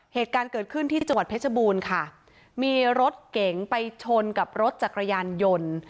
เหตุการณ์เกิดขึ้นที่จังหวัดเพชรบูรณ์ค่ะมีรถเก๋งไปชนกับรถจักรยานยนต์